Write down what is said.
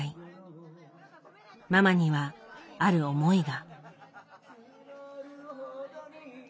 ママにはある思いが。